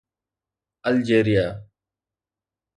الجيريا